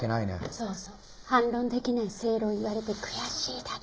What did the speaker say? そうそう。反論できない正論を言われて悔しいだけ。